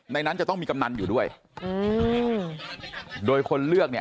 นั้นจะต้องมีกำนันอยู่ด้วยอืมโดยคนเลือกเนี่ย